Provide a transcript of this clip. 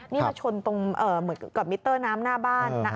นี่มาชนตรงเหมือนกับมิเตอร์น้ำหน้าบ้านนะ